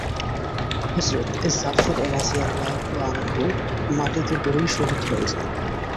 হযরত জাফর রাযিয়াল্লাহু আনহু মাটিতে পড়েই শহীদ হয়ে যান।